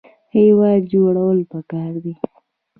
هیواد جوړول پکار دي